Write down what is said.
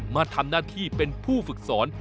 มาทำหน้าที่เป็นผู้ฝึกสอน